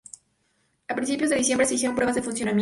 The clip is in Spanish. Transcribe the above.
A principios de diciembre se hicieron pruebas de funcionamiento.